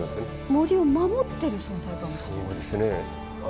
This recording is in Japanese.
森を守っている存在かもしれないんですね。